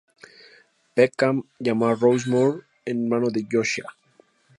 Peckham llamó a Ross Moore, hermano de Josiah.